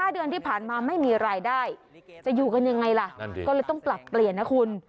เดือนที่ผ่านมาไม่มีรายได้จะอยู่กันยังไงล่ะก็เลยต้องปรับเปลี่ยนนะคุณ